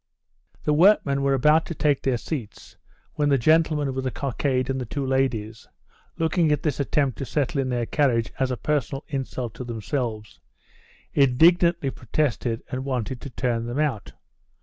The workmen were about to take their seats, when the gentleman with the cockade and the two ladies, looking at this attempt to settle in their carriage as a personal insult to themselves, indignantly protested and wanted to turn them out.